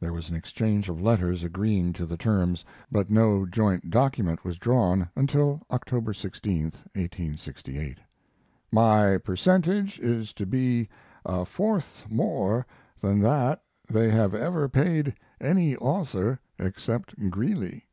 There was an exchange of letters agreeing to the terms, but no joint document was drawn until October 16 (1868).] My percentage is to be a fourth more than they have ever paid any author except Greeley.